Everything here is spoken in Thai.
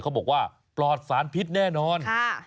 เขาบอกว่าปลอดสารพิษแน่นอน